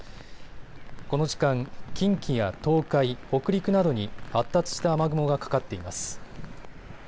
この時間、近畿や東海、北陸などに発達した雨雲がかかっています。